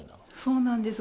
そうなんです。